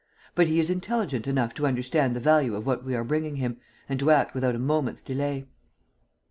But he is intelligent enough to understand the value of what we are bringing him and to act without a moment's delay."